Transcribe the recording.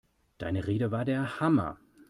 Deine Rede war der Hammer!